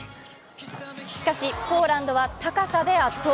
しかしポーランドは高さで圧倒。